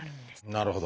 なるほど。